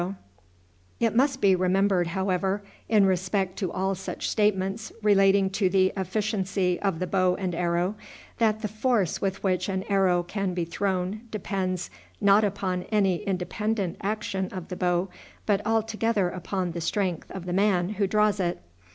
] It must be remembered, however, in respect to all such statements relating to the efficiency of the bow and arrow, that the force with which an arrow can be thrown depends not upon any independent action of the bow, but altogether upon the strength of the man who draws it.